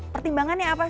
pertimbangannya apa sih